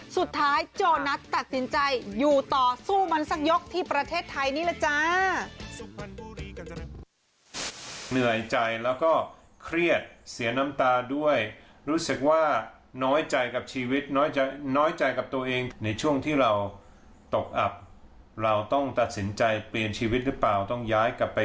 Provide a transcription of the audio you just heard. โจรัสตัดสินใจอยู่ต่อสู้มันสักยกที่ประเทศไทยนี่แหละจ้า